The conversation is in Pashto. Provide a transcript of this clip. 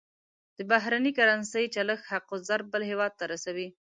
د بهرنۍ کرنسۍ چلښت حق الضرب بل هېواد ته رسوي.